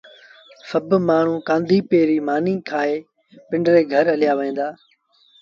سڀ مآڻهوٚٚݩ ڪآݩڌيپي ريٚ مآݩيٚ کآئي پنڊري گھر هليآ وهيݩ دآ